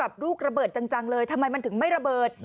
และเป็นที่ดูดลูกระเบิดจังเลยทำไมมันถึงไม่ระเบิด